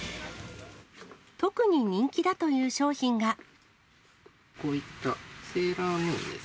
特に人気だという商品が。